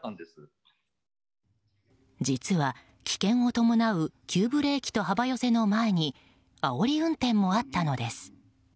実は、危険を伴う急ブレーキと幅寄せの前にあおり運転もあったのです。